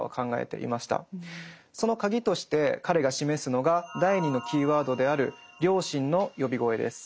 そのカギとして彼が示すのが第２のキーワードである「良心の呼び声」です。